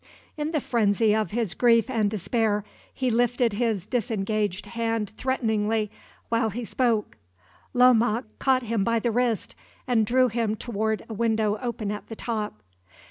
In the frenzy of his grief and despair, he lifted his disengaged hand threateningly while he spoke. Lomaque caught him by the wrist, and drew him toward a window open at the top.